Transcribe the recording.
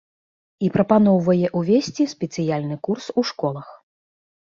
І прапаноўвае ўвесці спецыяльны курс у школах.